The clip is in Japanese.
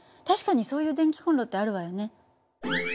確かにそういう電気コンロってあるわよね。